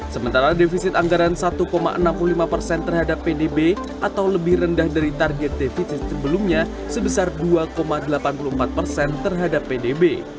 sementara defisit anggaran satu enam puluh lima persen terhadap pdb atau lebih rendah dari target defisit sebelumnya sebesar dua delapan puluh empat persen terhadap pdb